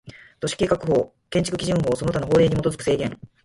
都市計画法、建築基準法その他の法令に基づく制限